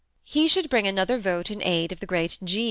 He should bring another vote in aid of the great G.